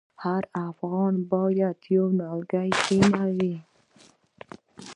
هر افغان باید یو نیالګی کینوي؟